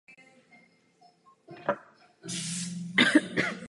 Kromě toho byl ještě nominován v kategorii Nejlepší střih.